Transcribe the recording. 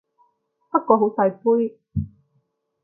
不過好細杯